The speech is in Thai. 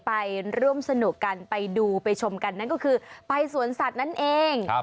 ไปร่วมสนุกกันไปดูไปชมกันนั่นก็คือไปสวนสัตว์นั่นเอง